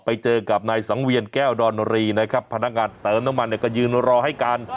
ไปเจอกับนายสังเวียนแก้วดอนรีนะครับพนักงานเติมน้ำมันเนี่ยก็ยืนรอให้การ